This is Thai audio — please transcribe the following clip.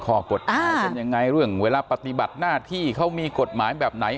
ข้อกฎหมายเป็นยังไงเรื่องเวลาปฏิบัติหน้าที่เขามีกฎหมายแบบไหน